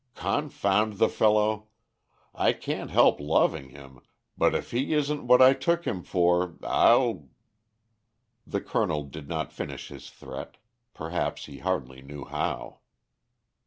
Confound the fellow! I can't help loving him, but if he isn't what I took him for, I'll " The Colonel did not finish his threat; perhaps he hardly knew how.